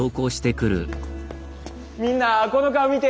みんなこの顔見て。